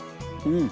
うん。